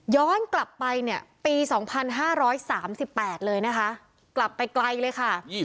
ย้อนกลับไปเนี่ยปี๒๕๓๘เลยนะคะกลับไปไกลเลยค่ะ